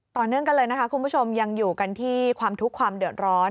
ต่อเนื่องกันเลยนะคะคุณผู้ชมยังอยู่กันที่ความทุกข์ความเดือดร้อน